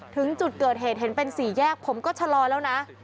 ถึงจุดเกิดเหตุเห็นเป็นสี่แยกผมก็ชะลอแล้วนะ